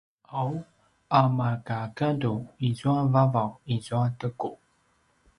’aw a markagadu izua vavaw izua teku